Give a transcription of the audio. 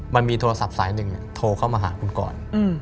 มันมีโทรศัพท์สายหนึ่งโทรเข้ามาหาคุณก่อน